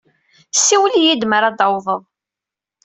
Siwel-iyi-d mar ad taweḍeḍ.